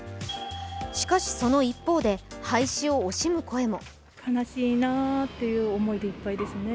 しかし、その一方で廃止を惜しむ声も。